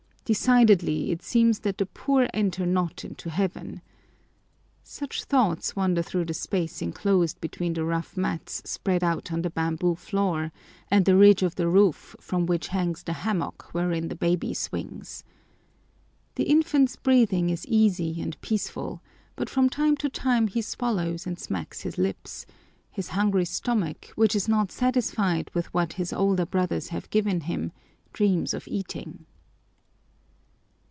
Decidedly, it seems that the poor enter not into heaven. Such thoughts wander through the space enclosed between the rough mats spread out on the bamboo floor and the ridge of the roof, from which hangs the hammock wherein the baby swings. The infant's breathing is easy and peaceful, but from time to time he swallows and smacks his lips; his hungry stomach, which is not satisfied with what his older brothers have given him, dreams of eating.